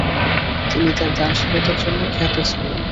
তিনি তার দানশীলতার জন্য খ্যাত ছিলেন।